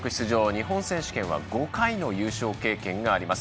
日本選手権は５回の優勝経験があります。